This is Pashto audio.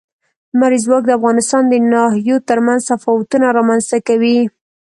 لمریز ځواک د افغانستان د ناحیو ترمنځ تفاوتونه رامنځ ته کوي.